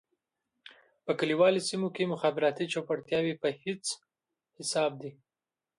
په کليوالي سېمو کې مخابراتي چوپړتياوې په هيڅ حساب دي.